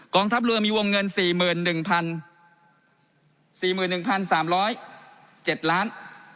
ทัพเรือมีวงเงิน๔๑๔๑๓๐๗ล้าน